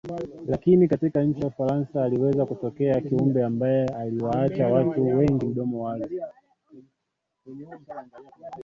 Lakini katika nchi ya Ufarasa aliweza kutokea Kiumbe ambae aliwaacha watu wengi mdomo wazi